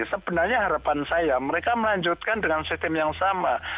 sebenarnya harapan saya mereka melanjutkan dengan sistem yang sama